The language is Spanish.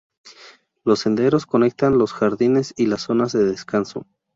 Los senderos conectan los jardines y las zonas de descanso.